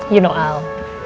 kamu tau al